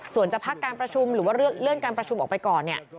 ส่วนจะพักการประชุมหรือว่าเลื่อนการประชุมออกไปก่อนเนี่ย